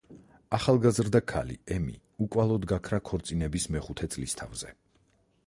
ახალგაზრდა ქალი ემი უკვალოდ გაქრა ქორწინების მეხუთე წლისთავზე.